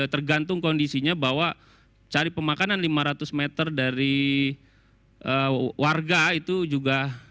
tergantung kondisinya bahwa cari pemakanan lima ratus meter dari warga itu juga